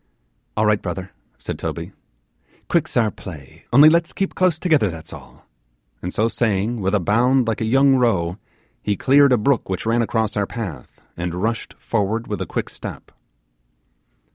'All right, brother,' said Toby, 'quick's our play; only lets keep close together, that's all;' and so saying with a bound like a young roe, he cleared a brook which ran across our path, and rushed forward with a quick step.